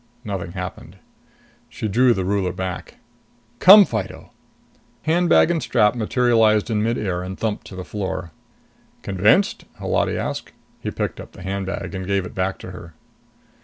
Nothing happened. She drew the ruler back. "Come, Fido!" Handbag and strap materialized in mid air and thumped to the floor. "Convinced?" Holati asked. He picked up the handbag and gave it back to her.